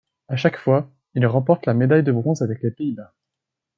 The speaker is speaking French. A chaque fois, il remporte la médaille de bronze avec les Pays-Bas.